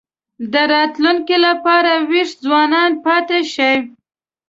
د راتلونکي لپاره وېښ ځوانان پاتې شي.